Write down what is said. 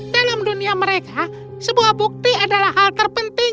dalam dunia mereka sebuah bukti adalah hal terpenting